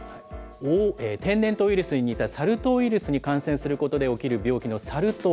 天然痘ウイルスに似たサル痘ウイルスに感染することで起きる病気のサル痘。